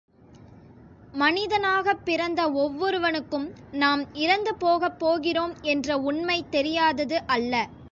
மனிதனாகப் பிறந்த ஒவ்வொருவனுக்கும் நாம் இறந்து போகப் போகிறோம் என்ற உண்மை தெரியாதது அல்ல.